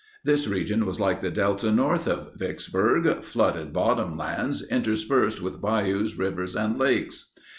This region was like the Delta north of Vicksburg—flooded bottom lands interspersed with bayous, rivers, and lakes.